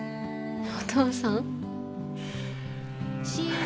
お父さん？